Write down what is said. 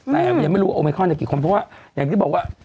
แต่ยังไม่รู้ว่าโอมิคอนกี่คนเพราะว่าอย่างที่บอกว่า